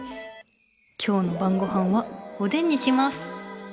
今日のばんごはんはおでんにします。